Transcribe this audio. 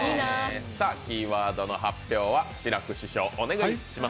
キーワードの発表は志らく師匠お願いします。